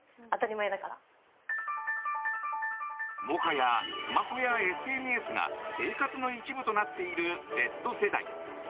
もはやスマホやＳＮＳが生活の一部となっているＺ世代。